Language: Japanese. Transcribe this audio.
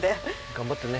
頑張ってね。